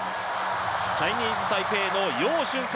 チャイニーズ・タイペイの楊俊瀚。